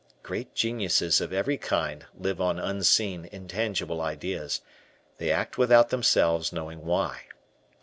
Great geniuses of every kind live on unseen, intangible ideas; they act without themselves knowing why.